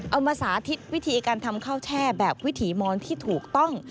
มาสาธิตวิธีการทำข้าวแช่แบบวิถีมอนที่ถูกต้อง